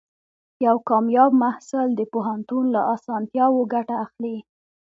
یو کامیاب محصل د پوهنتون له اسانتیاوو ګټه اخلي.